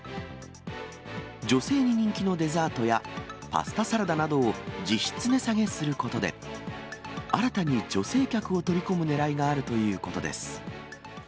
女性に人気のデザートや、パスタサラダなどを実質値下げすることで、新たに女性客を取り込むねらいがあるということです。